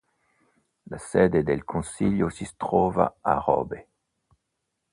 La sede del consiglio si trova a Robe.